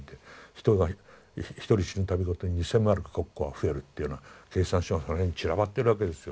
人が一人死ぬ度ごとに１，０００マルク国庫は増えるっていうような計算書がその辺に散らばってるわけですよ。